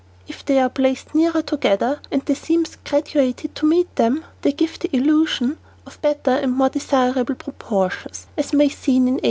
If they are placed nearer together, and the seams graduated to meet them, they give the illusion of better and more desirable proportions, as may be seen in No.